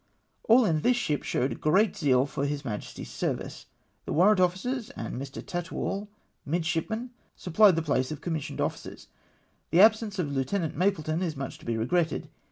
" All in this ship showed great zeal for his Majesty's service. The warrant officers and Mr. Tattnall, midshipman, sup plied the place of commissioned officers. The absence of Lieutenant Mapleton is much to be regretted.